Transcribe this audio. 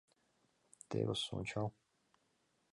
Тевыс, ончал...